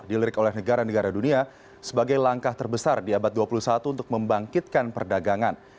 dilirik oleh negara negara dunia sebagai langkah terbesar di abad dua puluh satu untuk membangkitkan perdagangan